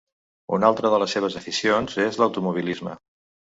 Una altra de les seves aficions és l'automobilisme.